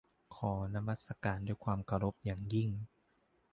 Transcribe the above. ขอนมัสการด้วยความเคารพอย่างยิ่ง